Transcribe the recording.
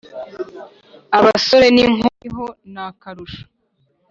abasore ni nkumi ho nakarusho